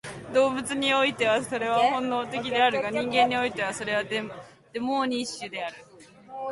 動物においてはそれは本能的であるが、人間においてはそれはデモーニッシュである。